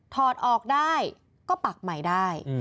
ถอดออกได้ก็ปักใหม่ได้